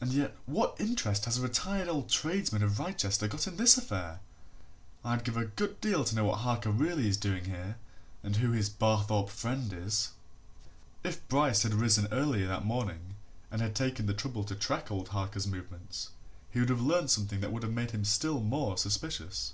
And yet what interest has a retired old tradesman of Wrychester got in this affair? I'd give a good deal to know what Harker really is doing here and who his Barthorpe friend is." If Bryce had risen earlier next morning, and had taken the trouble to track old Harker's movements, he would have learnt something that would have made him still more suspicious.